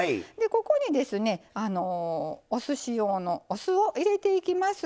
ここにですねおすし用のお酢を入れていきます。